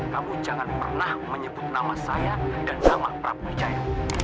kamu jangan pernah menyebut nama saya dan sama prabowo jaya